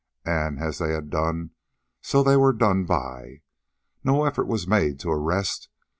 And as they had done, so were they done by. No effort was made to arrest.